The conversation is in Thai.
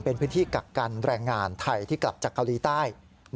เป็นพื้นที่กักกันแรงงานไทยที่กลับจากเกาหลีใต้